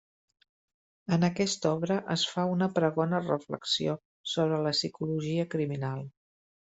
En aquesta obra es fa una pregona reflexió sobre la psicologia criminal.